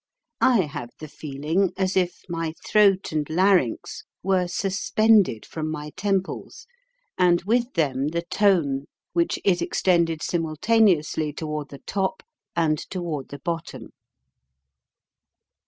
I have the feeling as if my throat and larynx were suspended from my temples and with them the tone which is extended simultaneously toward the top and toward the bottom.